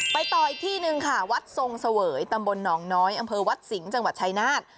ต่ออีกที่หนึ่งค่ะวัดทรงเสวยตำบลหนองน้อยอำเภอวัดสิงห์จังหวัดชายนาฏ